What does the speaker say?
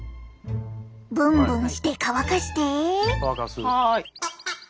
ブンブンして乾かして！